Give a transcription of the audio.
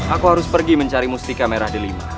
aku harus pergi mencari mustika merah delima